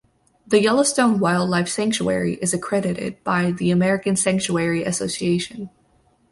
The Yellowstone Wildlife Sanctuary is accredited by the American Sanctuary Association.